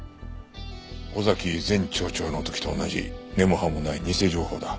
尾崎前町長の時と同じ根も葉もない偽情報だ。